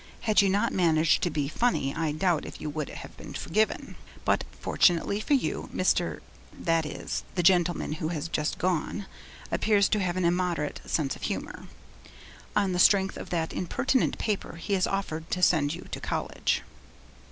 Had you not managed to be funny I doubt if you would have been forgiven. But fortunately for you, Mr. , that is, the gentleman who has just gone appears to have an immoderate sense of humour. On the strength of that impertinent paper, he has offered to send you to college.'